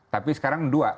tapi sekarang dua